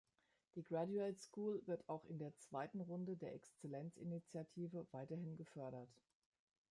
Die Graduate School wird auch in der zweiten Runde der Exzellenzinitiative weiterhin gefördert.